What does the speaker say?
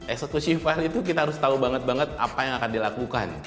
eksekusi file itu kita harus tahu banget banget apa yang akan dilakukan